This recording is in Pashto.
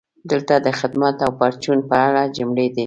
دلته د "خدمت او پرچون" په اړه جملې دي: